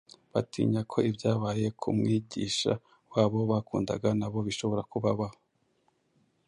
batinya ko ibyabaye ku Mwigisha wabo bakundaga nabo bishobora kubabaho.